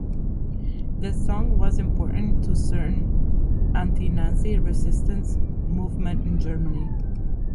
The song was important to certain anti-Nazi resistance movements in Germany.